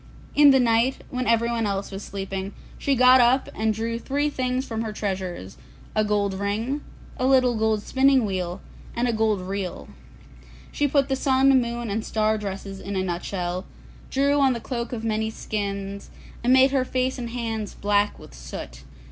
In the night, when everyone else was sleeping, she got up and took three things from her treasures, a gold ring, a little gold spinning wheel, and a gold reel; she put the sun, moon, and star dresses in a nut shell, drew on the cloak of many skins, and made her face and hands black with soot.